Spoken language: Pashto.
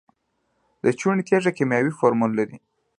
د چونې تیږه کیمیاوي فورمول لري.